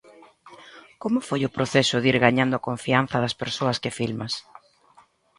Como foi o proceso de ir gañando a confianza das persoas que filmas?